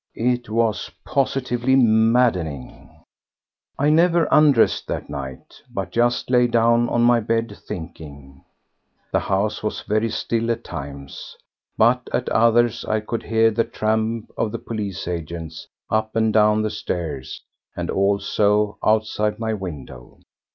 It was positively maddening. I never undressed that night, but just lay down on my bed, thinking. The house was very still at times, but at others I could hear the tramp of the police agents up and down the stairs and also outside my window.